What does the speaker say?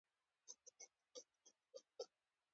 هم د پېغلوټو هم جینکیو